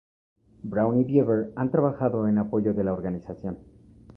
Braun y Bieber han trabajado en apoyo de la organización.